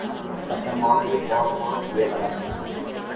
அப்பட்டமான நிர்வாணமான சுயநலம்!